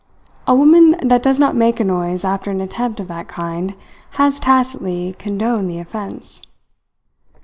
A woman that does not make a noise after an attempt of that kind has tacitly condoned the offence.